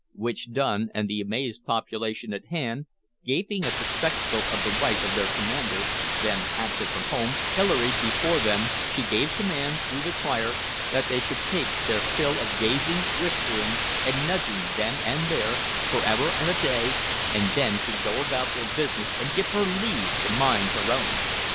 Which done, and the amazed population at hand, gaping at the spectacle of the wife of their commander (then absent from home) pilloried before them, she gave command, through the crier, that they should take their fill of gazing, whispering, and nudging then and there, forever and a day, and then should go about their business and give her leave to mind her own.